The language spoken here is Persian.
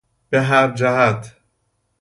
به هر جهت